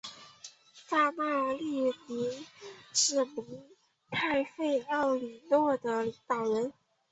扎纳利尼是蒙泰菲奥里诺的领导人。